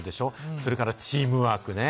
それからチームワークね。